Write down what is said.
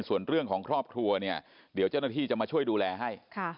ส่วนเรื่องของครอบครัวเนี่ยเดี๋ยวเจ้าหน้าที่จะมาช่วยดูแลให้